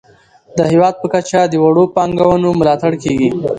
د هیواد په کچه د وړو پانګونو ملاتړ کیږي.